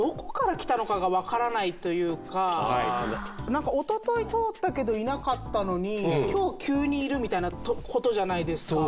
何かおととい通ったけどいなかったのに今日急にいるみたいなことじゃないですか。